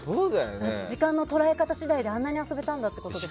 時間の捉え方次第であんなに遊べたんですね。